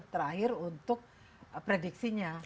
terakhir untuk prediksinya